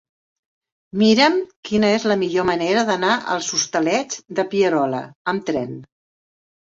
Mira'm quina és la millor manera d'anar als Hostalets de Pierola amb tren.